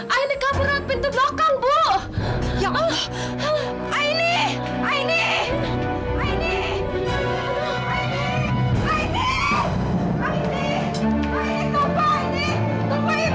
aini jangan tinggal di situ aini